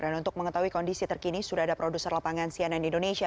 dan untuk mengetahui kondisi terkini sudah ada produser lapangan sianan indonesia